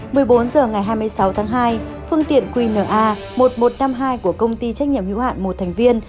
một mươi bốn h ngày hai mươi sáu tháng hai phương tiện qna một nghìn một trăm năm mươi hai của công ty trách nhiệm hữu hạn một thành viên